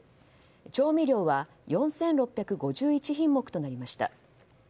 調味料は４６５１品目となりました。